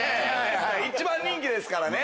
一番人気ですからね。